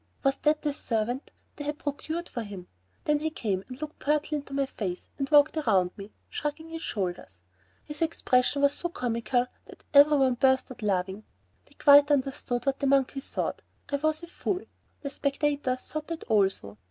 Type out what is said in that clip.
Was that the servant they had procured for him. Then he came and looked pertly up into my face, and walked around me, shrugging his shoulders. His expression was so comical that every one burst out laughing. They quite understood that the monkey thought I was a fool. The spectators thought that also.